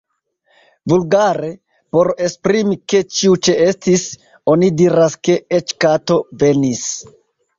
Vulgare, por esprimi, ke ĉiu ĉeestis, oni diras, ke eĉ kato venis.